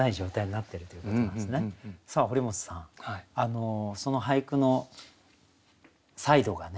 さあ堀本さんその俳句のサイドがね